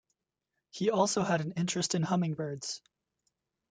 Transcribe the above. He also had an interest in hummingbirds.